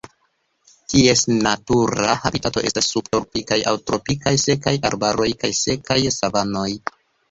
Ties natura habitato estas subtropikaj aŭ tropikaj sekaj arbaroj kaj sekaj savanoj.